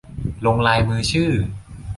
ลงลายมือชื่อ